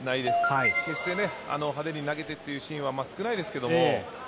決してね、派手に投げてっていうシーンは少ないですけども。